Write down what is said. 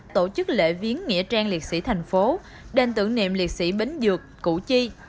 tổ chức lễ viếng nghĩa trang liệt sĩ thành phố đền tưởng niệm liệt sĩ bến dược củ chi